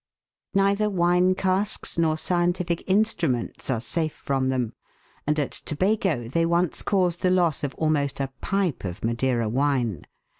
Neither wine casks nor scientific instruments are safe from them, and at Tobago they once caused the loss of almost a pipe of Madeira wine.